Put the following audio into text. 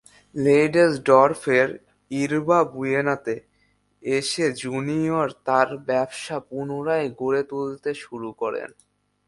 লেইডেসডর্ফের ইরবা বুয়েনাতে এসে জুনিয়র তার ব্যবসা পুনরায় গড়ে তুলতে শুরু করেন।